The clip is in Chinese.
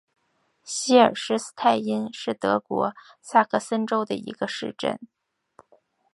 希尔施斯泰因是德国萨克森州的一个市镇。